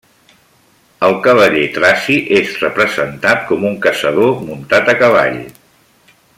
El cavaller traci és representat com un caçador muntat a cavall.